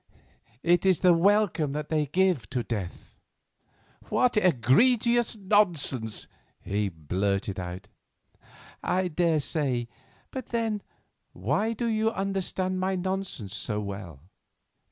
It is the welcome that they give to death." "What egregious nonsense!" he blurted out. "I daresay; but then, why do you understand my nonsense so well?